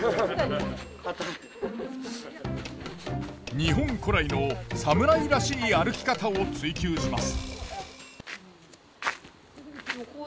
日本古来の侍らしい歩き方を追求します。